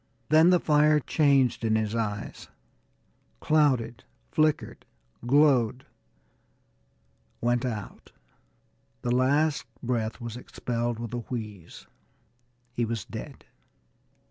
Then the fire changed in his eyes, clouded, flickered, glowed went out. The last breath was expelled with a wheeze. He was dead.